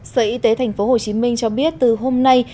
sở y tế tp hồ chí minh cho biết từ hôm nay